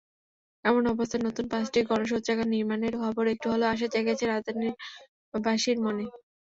এমন অবস্থায় নতুন পাঁচটি গণশৌচাগার নির্মাণের খবর একটু হলেও আশা জাগিয়েছে রাজধানীবাসীর মনে।